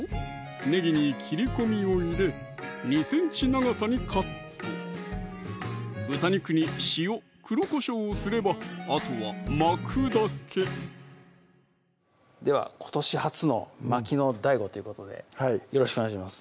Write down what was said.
ねぎに切り込みを入れ２ｃｍ長さにカット豚肉に塩・黒こしょうをすればあとは巻くだけでは今年初の巻きのＤＡＩＧＯということでよろしくお願いします